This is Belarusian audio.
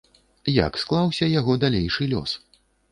Як склаўся яго далейшы лёс?